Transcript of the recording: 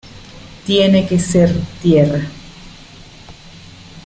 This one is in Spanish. tiene que ser tierra.